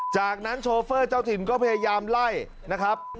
จากนั้นโชเฟอร์เจ้าถิ่นก็พยายามไล่นะครับ